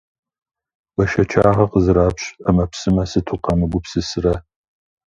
Бэшэчагъэ къызэрапщ ӏэмэпсымэ сыту къамыгупсысрэ.